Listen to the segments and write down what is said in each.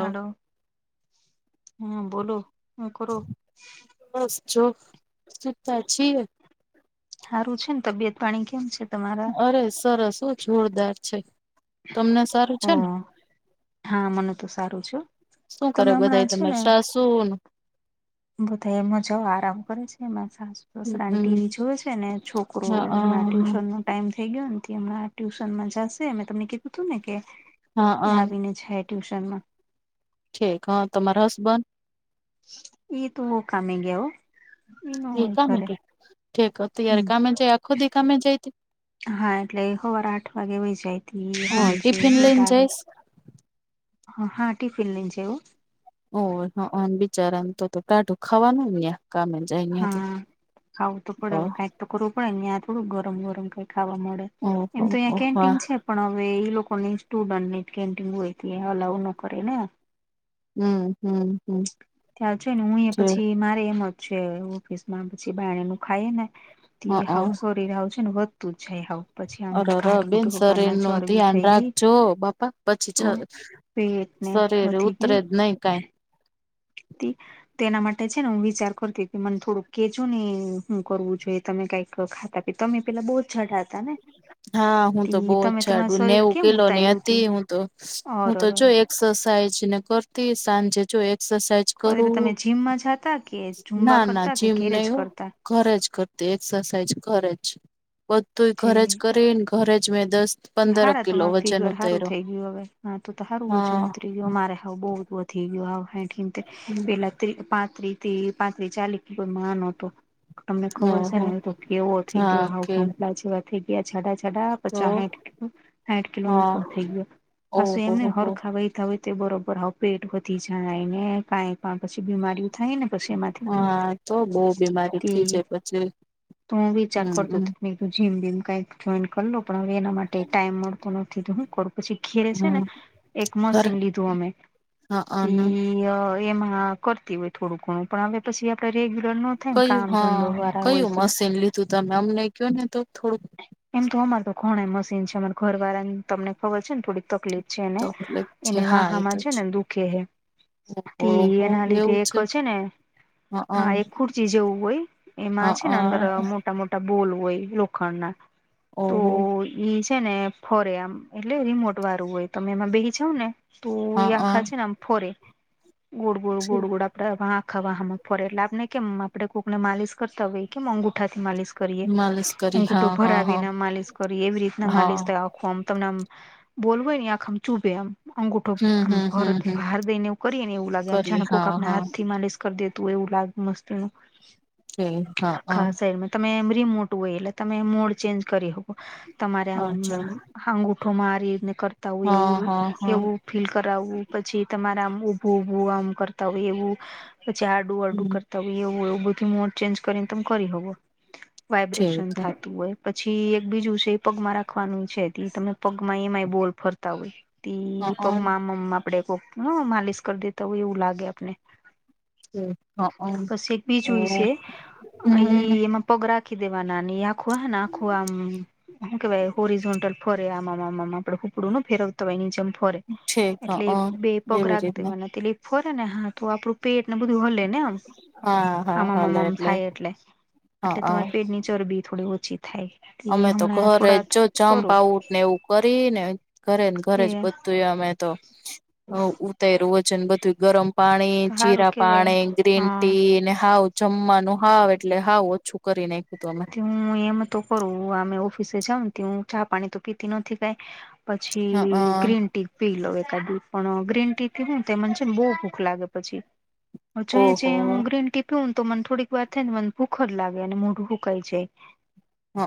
Hello, હમ્મ બોલો હુ કરો? બસ જો સુતા છીએ. હારું છે ને, તબિયત પાણી કેમ છે? તમારા અરે સરસ હો જોરદાર છે, તમને સારું ઓ છે ને? હા મને તો સારું છે. શું તમે કરે હમણાં બધા છે ને તમારે સાસું? બધા એમાં જઓ આરામ કરે છે, એ માંરા સાસુ સસરા ને હમ ટીવી જોવે છે ને, છોકરો મારે હા ટ્યુશન નુ ટાઈમ થઈ ગયો, હમણાં ટ્યુશનમાં જાશે મે તમને કીધું તું ને કે હા આવીને જાય ટ્યુશન માં ઢીક હા, તમારા હસબન્ડ ઈ તો કામે ગયા હો ન એ હોય કામે ઘરે ગયા ઠેક અત્યારે હમ કામે જાય આખો દી કામે જાય છે, હા, એટલે હવારે આઠ વાગે વહી જાય હા હાંજે ટિફિન લઈને તી [unintelligible] જઈશ હ હા ટિફિન લઈને જાય હો, ઓ [unintelligible] બિચારાને તો તો ટાઢું ખાવાનું ન્યા કામે, જાય ન્યા તો હા ખાવું તો પડે ઓહ કઈક તો કરવું પડે ન્યા થોડું ગરમ ગરમ કઈ ખાવા મળે, ઓહ એમ તો ઓહ યા ઓહ હા કેન્ટીન છે. પણ હવે એ લોકો ની સ્ટુડન્ટની જ કેન્ટીન હોય, ત્યાં અલાવ ન કરે ને. હમ્મ હમ્મ હમ્મ ત્યાં છે ને હું એ પછી મારે એમ જ છે, ઓફિસ માં પછી બાણનું ખાયે ને હ તી હાવ શરીર હાવ વધતું જાય હાવ પછી આમ અરર ઘાટઘુટ બેન વગર શરીર ના નું ચરબી ધ્યાન થઈ ગઈ રાખજો બાપા પછી જ તો, પેટને શરીર વધી ઉતરે ગયું જ નહી કાઈ [unintelligible] તેના માટે છે ને હું વિચાર કરતી હતી મને થોડુંક કેજો ને હું કરવું જોઈએ, તમે કઈક તો ખાતા પીતા તમે પેલા બોહ જાડા હતા ને, હા હું તો તી બોવજ તમે તમારું જાડું શરીર નેવું કેમ કિલ્લોની ઉતાર્યું તી હતી હું તો, હું ઓર તો ઓર જો એક એક્સરસાઇઝ ને કરતી સાંજે જો એક્સરસાઇઝ [unintelligible] કરું તમે જીમમાં જાતા કે ઝુંબા ના ના કરતા કે જીમ નહી ઘેરેજ હો કરતા, ઘરે જ કરતી એક્સરસાઇઝ ઘરે જ બધું ઘરે જ કરીન ઘરેજ મે દસ્ત કે હારા તમારું ફિગર સારું થઈ ગયું હવે હા તો સારું વજન હા ઉતરી મારે હ બોહ વધી ગયુ હાવ હાહીઢ હિતેર પેલા તી પાત્રી તી પાંતરી ચાલીસ તો માડ હતું તમને ખબર છે ઓહો ને તો કેવો થઈ હા ગયો હાવ કે ભંપલા જેવા થઈ ગયા જાડા જાડા તો પચા હાઈઠ આઠ કિલો નો હા ઉપર થઈ ગયુ પાછુ ઓહો એમને હર હો ખાવા હવે તે બરોબર હવ પેટ વધી જાય ને કઈ પણ પછી બીમારી થાય ને પછી એમાંથી હા તો બહુ બીમારી તે થઈ જાય પછી તો હું વિચાર કરતો હમ તું જીમ બીમ કાઈક જોઈન કર લો પણ હવે તે ટાઈમ મલતો નથી તો હું કરું? પછી ખીર છે ને હમ એક ઘર મશીન લીધું અમે હા ના તે--હમમ તે એમાં કરતી હોય થોડું ઘણું પણ હવે પછી આપણે રેગ્યુલર ન થાય ને કયું કામ ધંધો હા વાળા હોય કયું તે મશીન લીધું તમે? અમને કયો ને તો થોડુંક. એમ તો અમાર તો ઘણા મશીન છે. અમાર ઘરવાળાને તમને ખબર છે ને થોડીક તકલીફ? છે ને તકલીફ છે એને હા એ તો વાહામાં છે ને દુખે હે. ઓહો એના લીધે એવું એક છે ને હા એક ખુર્ચી જેવું હોય. એમાં છે ને હા અંદર મોટા મોટા બોલ હોય લોખંડ ના. ઓહો ઈ છે ને ફરે આમ એટલે રિમોટ વાળું હોય તમે એમાં બેસી જાવ ને. તો ઈ હા આંખા છે હા ને આમ ફરે ગોડ ગોડ ગોડ આપ આપ આંખાવામાં ફરે એટલે આપને કેમ આપણે કૂકને માલિશ કરતા હોઈએ કે અંગુઠાથી માલિશ માલિશ કરી. કુટું હા હા હા ભરાવીને માલિશ કરી એવી રીતના હા માલિશ થાય. આમ તમને આમ બોલ હોય ને આખો એમ ચૂભે એમ અંગુઠો હમ આમ હમ ભ હમ હમ ભાર દઈ ને એ કરીએ ને એવું લાગે આમ કરી જાણે કોક હા આપને હા હાથ માલિશ.. કરી દેતું હો એવું લાગ મસ્તી નું તે હા હા આખા શહેરમાં તમે રીમોટ હોય એટલે તમે મોડ ચેન્જ કરી શકો તમારે આમ અચ્છા આંગુઠોમાં આ રીત કર તા હોય હા હા એવ હા એવું ફીલ કરાવવું પછી તમારે આમ ઉભું ઉભું આમ કરતા હોય એવું. પછી આડું આડું હમ કરતા હોય એવું એવ બધુ મોડ ચેન્જ કરીન તમ કરી શકો વાઈબ્રેશન ઠીક થતું હોય પછી એક બીજું છે એ પગમાં રાખવાનું છે તમને પગમાં એમાંય બોલ ફરતા હોય હા પગ આમ આપડે કો હ માલિશ કરી દેતા હોય એવું લાગે આપને. ઠીક હા પછી એક બીજુય છે હમ અહી એમાં પગ રાખી દેવાનાની આખું હેન આખો આમ શું કહેવાય હોરિજેંટલ ફરે આમ આમ આમ આપણે કૂકડી ન ફેરવ તો એની જેમ ફરે ઠીક એટલે હા બે પગ એવી રાખ રીતના દેવાના તે એક ફરે ને હા તો આપડું પેટ ને બધું હલે ને આમ હા હા હાલે આમમમમ થાય એટલે હા એટલે હા તમારે પેટની ચરબી થોડી ઓછી થાય. એ અમે તો હમણાં ઘરે થોડા જ જો થોડું જમ્પ કરું આઉટ ને એવું કરી ને ઘરેન ઘરે છે જ બ અમે તો ઉતારીર્યું વજન બધું ગરમ પાણી તો સારું જીરા કેવાય પાણી ગ્રીન હા ટી ને હાઉ જમવાનું હાવ એટલે હાવ ઓછું કરી નાખ્યું તું અમે થી હું એમ તો કરું અમે ઓફિસે જાવ ને હું ચા પાણી તો પીતી નથી કાઈ પછી હઅ ગ્રીન ટી. પી લઉ એકાદી પણ ગ્રીન ટી પીવું તે મને છે ને બહુ ભૂખ લાગે પછી. પછી જે ઓહો હું ગ્રીન ટી પીઉ ને તો મને થોડીક વાર થઈ ને મને ભૂખ જ લાગે અને મોઢ સુકાઈ જાય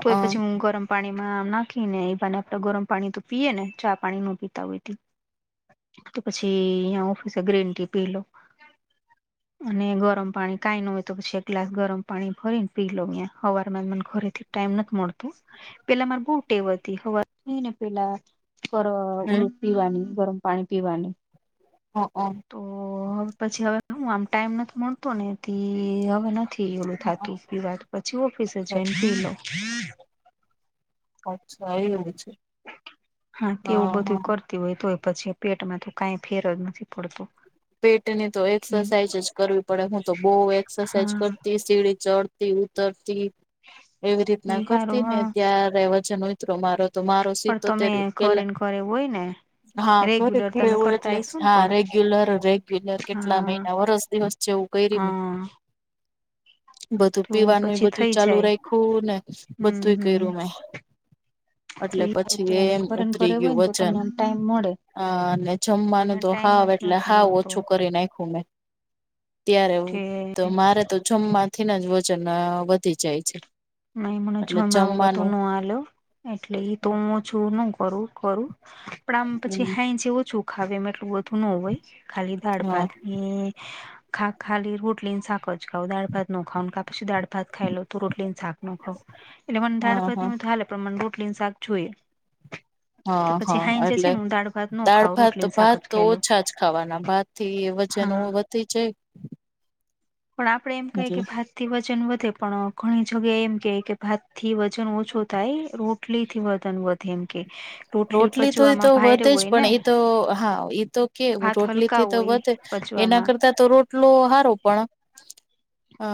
તો એ પછી હું ગરમ પાણી માં નાખી ને એ બહાને આપણે ગરમ પાણી તો પીએ ને ચા પાણી ન પીતા હોય. તો પછી અયા ઓફિસે ગ્રીન ટી પીલવ. અને ગરમ પાણી કાઈ ન હોય તો પછી એક ગ્લાસ ગરમ પાણી ભરીન પી લવ એમ સવારમાં મને ઘરેથી ટાઈમ નથી મળતો. પહેલા મારી બોવ ટેવ હતી સવારમાં ઉઠીને પહેલા હમ ગરમ પાણી પીવાની હા હા. તો હવે પછી હવે આમ ટાઈમ નથી મળતો ને એથી હવે નથી ઓલુ થાતું. પછી ઓફિસે જોઈન [inaudible] કરી લો. અચ્છા એવું છે? હા તેવું બધું કર તી હોય તો પછી પેટમાં તો કંઈ ફેર જ નથી પડતો. પેટની તો એક્સરસાઇઝ જ કરવી પડે હું તો બહુ એક્સરસાઇઝ હા કરતી. સીડી ચડતી ઉતરતી એવી રીતે એ કરતી હારું અને હા ત્યારે વજન ઓછું પણ તમે ઘરે ને ઘરે હોય ને [unintelligible] હા રેગ્યુલર ખરેખરે તમે એવું કરતા એટલે આવીશું ને હા પણ રેગ્યુલર કેટલા કેટલા હા મહિના વર્ષ દિવસ જેવું કેયરીયુ તું. હા [unintelligible] બધું તો પીવાનું પછી બધું થઈ ચાલુ જાય રાખ્યું ને હમ બધું કર્યું મેં. એટલે હમ પછી તો એ એમ ઘરે ને ઘરે ઉતરી હોય ગયું ને તો વજન તમને આમ ટાઈમ મળે હા જમવાનું મને તો ટાઈમ હાવ જ એટલે નથી હાવ મળતો ઓછું કરી નાખ્યું મેં ત્યારે કે મારે તો જમવાથી ને વજન અ વધી જાય છે. એટલે જમવાનું [unintelligible] એટલે એ તો હું ઓછું ન કરું પણ આમ પછી હમ હા જે ઓછું ખાવામાં એ એટલું બધું ન હોય ખાલી દાળ હા ભાત ખા ખાલી રોટલી ને શાક જ ખઉ તો દાળ ભાત ન ખાઈ કા પછી દાળ ભાત ખાઇ લઉ તો રોટલી ને શાખ. મને હા દાળભાત હા ના હોય તો હાલે પણ રોટલી ને શાક જોઈએ. તે હા પછી હા હાંજે છે એટલે ને હું દાળ ભાત ન દાળ ખાવ ભાત તો રોટલીને શાક ભાત જ તો ખાઈ લઉ ઓછા જ ખાવાના ભાત થી વજન હા તે છે પણ આપડે એમ કહી કે એટલે ભાત થી વજન વધે પણ ઘણી જગ્યા એમ કે કે ભાતથી વજન ઓછો થાય રોટલી થી વજન વધે એમ કે રોટલી તો તે પચવામાં ભારે વધે જ હોય ને પણ એ તો હા એ તો કે ભાત રોટલી હલકા થી તો વધે હોય એના પચવામાં કરતા તો રોટલો હારો પણ અ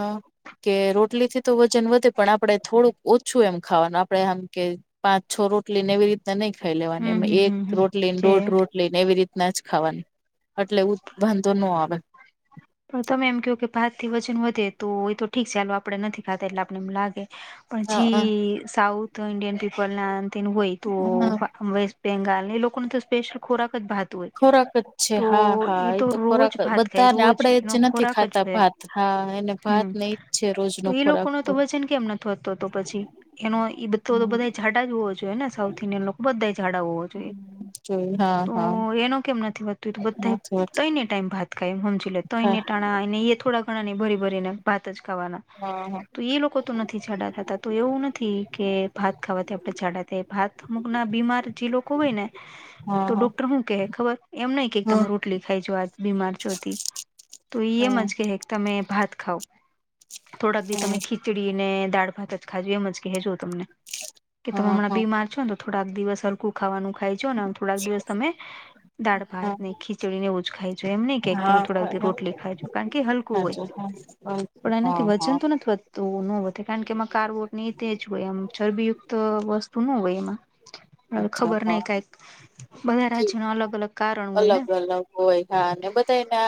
કે રોટલીથી તો વજન વધે પણ આપડે થોડુંક ઓછું એમ ખાવાનું આપડે આમ કે પાંચ છ રોટલી ને એવી રીતે તને ખાઈ લેવાની હમ એમા હમ એક હમ હમ રોટલી ને છે દોઢ રોટલી ને એવી રીતના જ ખાવાની. એટલે ઉ વાંધો ના આવે. તમે એમ કહો કે ભાત થી વજન વધે તો એ તો ઠીક છે ચાલો આપડે નથી ખાતા એટલે આપણને એમ લાગે હ પછી સાઉથ ઈન્ડિયન પીપલના આ તેન હોય તો હ વેસ્ટ બેંગાલી લોકોને તો સ્પેશિલ ખોરાક જ ભાત હો ખોરાક જ છે તો હા હા એ તો રોજ ખોરાક ભાત ખાય બધાને રોજ આપડે જ એનો નથી ખોરાક ખાતા જ ભાત હા એને [inaudible] ભાત ને ઈજ છે રોજ નો એ લોકો ખોરાક ન તો વજન કેમ નથી? એ તો તો પછી એનુ ઈ બધા જાડા જ હોવા જોઈએ ને સાઉથ ઇન્ડિયનના બધા જાડા હોવો જોઈએ જોય હા તો હા એનો કેમ નથી તો તે નથી બધાય હોતું ત્રણેય ટાઈમ ભાત ખાય સમજી લો હા ત્રણેય ટાળા. એ ઈએ નઈ થોડા ઘણા ને ભરી ભરીને ભાત જ ખાવાના હા હા. તો એ લોકો તો નથી જાડા થતા તો એવું નથી કે ભાત ખાવાથી આપણે જાડા થાય. ભાત અમુક બીમાર જે લોકો હોય ને હા તો હા ડોક્ટર હું કે ખબર એમ નહિ કે હા તમે રોટલી ખાઈ જાવ આજ બિમાર છો તોય તો ઈ હા એમજ કહે કે તમે ભાત ખાઓ થોડાક દી તમે હા ખીચ ખીચડી ને દાળ ભાત જ ખાજો એમ જ કહેજો તમને કે તમે હમણાં હા બીમાર છો ને તો. થોડાક દિવસ હલકું ખાવાનું ખાય છે ને થોડાક દિવસ તમે દાળ ભાત ખી. ખ નેવું ખાઈ જાએ એમને કે તમે હા થોડા હા ર હા રોટલી ખાય કારણ કે હલકું હોય સાચું હા પણ હા એનાથી હા વજન તો વધતું. તો ન વધે કારણ કે એમાં કાર્બોટ ની તે જ હોય એમ ચરબીયુક્ત વસ્તુ ન હોય એમાં. હ ખબર નહી કઈ છે કારણ હોય ને અલગ અલગ હોય હા બધાને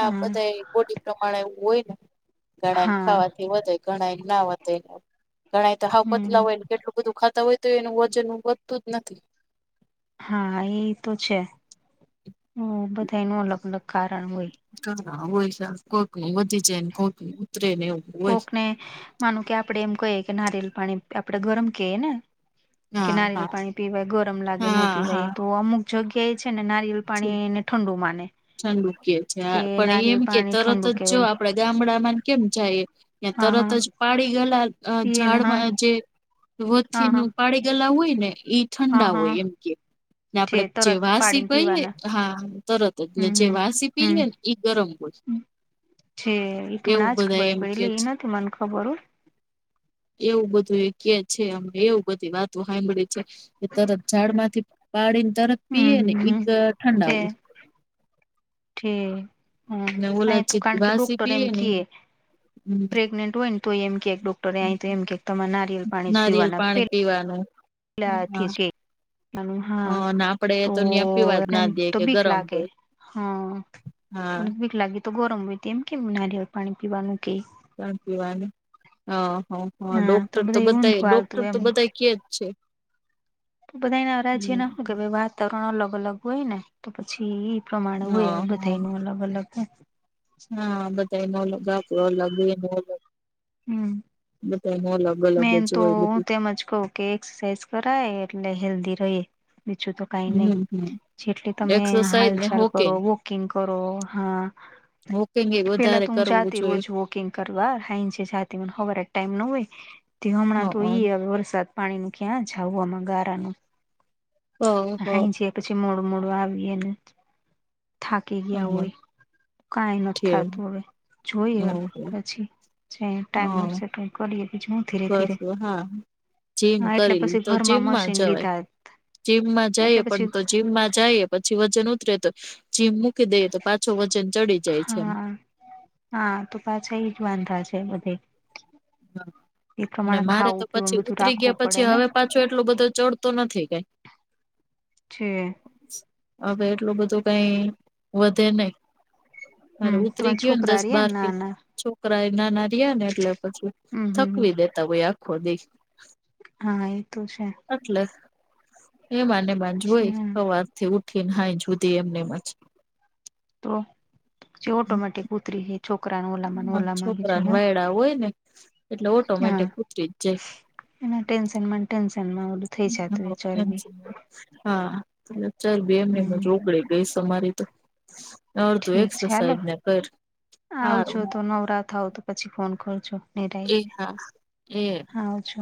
હા બધા બોડી પ્રમાણે એવું હોય ને ઘણા એને હા ખાવાથી વધે ઘણા એ ના વધે ને. ઘણા તો હાવ પતલા હમ હોય ને કેટલું બધુ ખાતા હોય તો એનું વજન વધતું જ નથી. હા એ તો છે હ બધા એનું અલગ અલગ કારણ હોય. કા હોય સા કોઈક નું વધી જાય ને કોઈક ઉતરે નહીં એવું. હોય. કોકને માનું કે આપડે એમ કહીએ કે નારિયલ પાણી આપડે ગરમ કએ ને? કે હા હા નારિયેલ પાણી પીવાય ગરમ લાગે નો હા પીવાય હા એ તો અમુક જગ્યા એ છે ને નારિયલ છે. પાણીને ઠંડુ માને. ઠંડુ કે છે હા પણ એમ નારિયેલ કે પાણી તરત ઠંડુ જ જો કેવાય આપડા ગામડામાં કેમ જાય. ત્યા હા તરત હા જ પાડી ગેલા અહ પીએ ને હા ઝાડમાં જે વથી હા હા નું પાડી ગલ્લા હોય ને એ હા ઠંડા હા હોય એમ કે ને છે આપડે જે તરત વાસી પાડીને કહીએ પીવાના હા તરત હમ જે હમ વાસી પી ને હમ ઈ ગરમ હોય. છે એ ટુ એવું આજ બધા ખબર એમ કે પેલી એ છે. નથી મને ખબર હો. એવું બધું એ કેહ છે એવું બધી વાત તું હાંભળી છે એ તરત ઝાડ માંથી પાડીને તરત પીય ને હમ હમ ઈ અહ ઠંડા હોય. થે હા ને ઓલા અહી તો જે કારણ કે વાસી ડોક્ટર એમ પીએ ક ને પ્રેગ્નેન્ટ હોય તો એમ કેક ડોક્ટરે આ તો એમ કે તમાર નારિયલ નારિયલ પાણી પીવાનું. લા આથી હા જે ના હા અને આપડે તો ત્યાં પીવા જ એને ના દે તો કે બીક ગરમ લાગે. હોય હા હા થોડીક બીક લાગે તો ગરમ હોય એમ કેમ નારિયાળ પાણી પીવાનું કે. પણ પીવાની અહ હ હ હા ડોક્ટર તો બધા એ બધ ઊંધું હાલતું ડોક્ટર તો એમ બધા કે જ છે. બધા એને અરાજ્ય હમ નાખ કે ભ વાતાવરણ અલગ અલગ હોય ને તો પછી ઈ પ્રમાણે હોય હા હા બધાનું અલગ અલગ. હા બધાઇ નો અલગ ગત અલગ એનું અલગ હમ બધાઇનો અલગ અલગ મેન જ તો હોય હું બધું તેમજ કહ કે એક્સરસાઇઝ કરાય એટલે હેલ્ધી રહે બીજું તો કઈ નહી હમ હમ જેટલી તમે એક્સરસાઇઝ ને હાલચાલ કરો હોકિંગ વોકિંગ કરો હા. વોકિંગ એ પેલા વધારે તો હું કરવું જાતી જોઈએ રોજ વોકિંગ કરવા હાઈ જે જાતી મને હવાર ટાઈમ નો હોય એ હમણાં તો ઈ હ વરસાદ પાણી ન ક્યાં જાવ આમાં ગારામાં. હ હૈ છે પછી મોડું મોડું આવી એને. થાકી ગયા હમ હોય કાઈ કાઈ નથ ઠીક થતું હવે જોઈએ પછી. જે ટાઈમ એજ હમ સેટિંગ કરીએ બીજું હું. ધીરે બસ ધીરે હા જીમ હા એટલે કરી પછી તો ઘરમાં જીમમાં મશીન જવાય. લીધા જીમમાં જઈએ એટલે પણ પછી તો જીમમાં જઈએ પછી વજન ઉતરે તો જીમ મૂકી દઈએ તો પાછો વજન ચડી જાય છે એમ. હા, હા તો પાછા એ જ વાંધા છે બધે. હા, એ અને પ્રમાણે મારે તો ખાવું પીવું પછી બધું ઉતરી રાખવું ગયા પડે પછી ને હવે પા છું એટલું બધો ચડતો નથી કઈ. છે. હવે એટલું બધું કઈ વધે નહી. અરે હમ તમારા ઉતરી ગયો ને છોકરા દસ રહ્યા બાર કિ ના ના છો કરાં એ નાના રહ્યા ને એટલે પછી હમ હમ હમ થકવી દેતા હોય આખો દી. હા એ તો છે. એટલે એ એમાં જોય હમ હવાર થી ઉઠ થી હા જુદી એમને એમ જ. તો જે ઓટોમેટિક ઉતરી ગઈ. છોકરાનું હમ છોકરાને વાયડા હોય ને એટલે હા ઓટોમેટિક ઉતરી જ જાય એના ટેન્શનમાં ટેન્શનમાં ઓલું થઇ જાતું હોય જાય. ચરબી હા ચરબી એમને [unintelligible] હમ ઓગળી ગઈ શે મારી તો અડતું ઠીક છે હાલો એક્સરસાાઈઝ ને કર આવજો હારું તો નવરા થાવ તો પછી ફોન કરજો નિરાહે એ હા એ હા આવજો